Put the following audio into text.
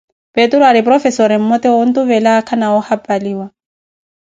Peturu Hari porofessoreh mmote wa owatuvela aakha na wa ohaphaliwa